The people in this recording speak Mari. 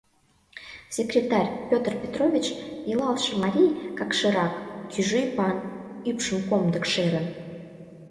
Секретарь — Петр Петрович — илалше марий, какширак, кужу ӱпан, ӱпшым комдык шерын.